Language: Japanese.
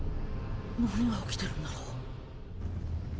何が起きてるんだろう？